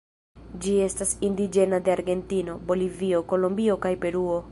Ĝi estas indiĝena de Argentino, Bolivio, Kolombio kaj Peruo.